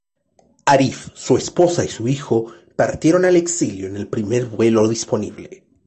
Arif, su esposa y su hijo partieron al exilio en el primer vuelo disponible.